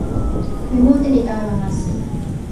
mi mute li tawa lon nasin.